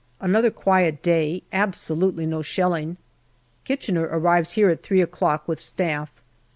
Another quiet day, absolutely no shelling. Kitchener arrives here at three o'clock with Staff.